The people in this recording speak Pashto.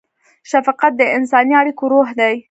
شفقت د انساني اړیکو روح دی.